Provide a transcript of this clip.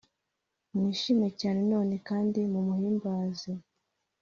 mwishime cyane none kandi mumuhimbaze!